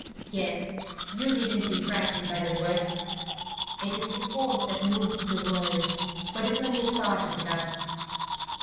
Yes, you needn't be frightened by the word; it is the force that moves the world, but it's only a part of love.